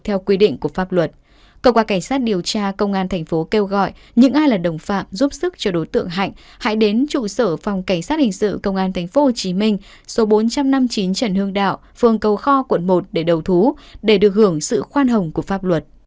theo quy định của pháp luật cơ quan cảnh sát điều tra công an tp kêu gọi những ai là đồng phạm giúp sức cho đối tượng hạnh hãy đến trụ sở phòng cảnh sát hình sự công an tp hcm số bốn trăm năm mươi chín trần hương đạo phường cầu kho quận một để đầu thú để được hưởng sự khoan hồng của pháp luật